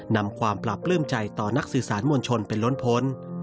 นำความปราบปลื้มใจต่อนักสื่อสารมวลชนเป็นล้นพ้น